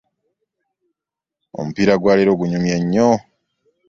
Omupiira gwa leero gunyumye nnyo.